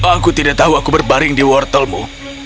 aku tidak tahu aku berbaring di wortelmu